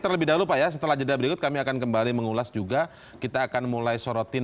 terlebih dahulu pak ya setelah jeda berikut kami akan kembali mengulas juga kita akan mulai sorotin